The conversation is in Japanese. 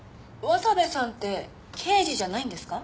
渡部さんって刑事じゃないんですか？